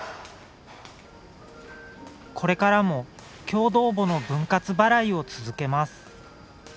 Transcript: これからも共同墓の分割払いを続けます。